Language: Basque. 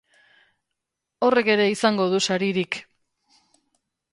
Horrek ere izango du saririk.